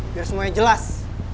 biar semuanya jelas